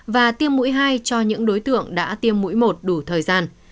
và tiêm mũi hai cho những đối tượng đã tiêm mũi một đủ thời gian